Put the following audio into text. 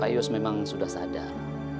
pak yus memang sudah sadar